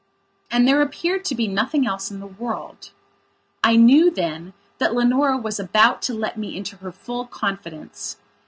And there appeared to be nothing else in the world. I knew then that Leonora was about to let me into her full confidence.